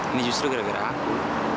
ini justru gara gara aku